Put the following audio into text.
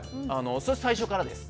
それ最初からです。